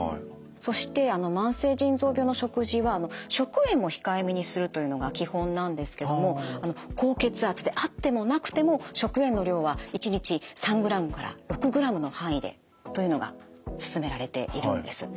そして慢性腎臓病の食事は食塩も控えめにするというのが基本なんですけども高血圧であってもなくても食塩の量は１日３ｇから６ｇの範囲でというのがすすめられているんです。